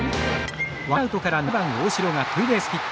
ワンナウトから７番大城がツーベースヒット。